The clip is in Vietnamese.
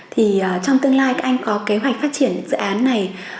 thì trong tương lai các anh có kế hoạch phát triển dự án này